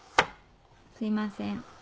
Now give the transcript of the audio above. すいません。